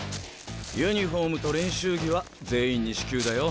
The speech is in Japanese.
ユニフォームと練習着は全員に支給だよ。